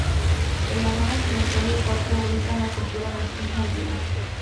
En la zona occidental del parque habitan la cultura mestiza andina.